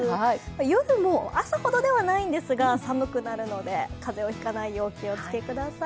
夜も朝ほどではないんですが寒くなるので、風邪を引かないよう、お気をつけください。